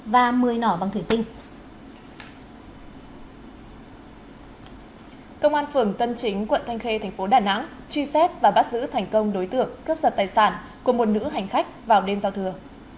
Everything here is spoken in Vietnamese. cơ quan công an phường tân chính quận thanh khê tp đà nẵng truy xét và bắt giữ thành công đối tượng cướp giật tài sản của một nữ hành khách vào đêm giao thừa